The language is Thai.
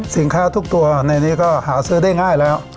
ทุกตัวในนี้ก็หาซื้อได้ง่ายแล้ว